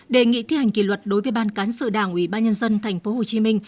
đề nghị thi hành kỷ luật đối với ban cán sự đảng ủy ban nhân dân tp hcm